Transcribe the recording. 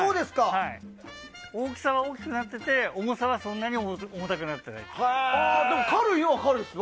大きさが大きくなってて重さはそんなに重くなってないんです。